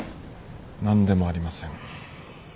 何でもありません。